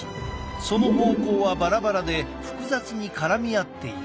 その方向はバラバラで複雑に絡み合っている。